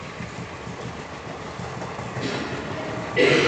Na východní straně města se rozkládá velká průmyslová zóna.